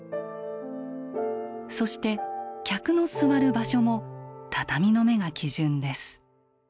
そして客の座る場所も畳の目が基準です。